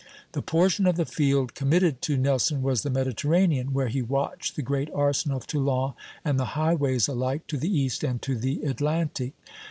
The portion of the field committed to Nelson was the Mediterranean, where he watched the great arsenal of Toulon and the highways alike to the East and to the Atlantic.